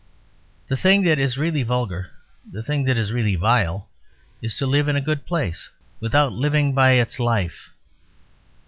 The thing that is really vulgar, the thing that is really vile, is to live in a good place Without living by its life.